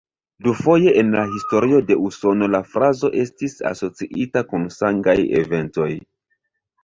Dufoje en la historio de Usono la frazo estis asociita kun sangaj eventoj.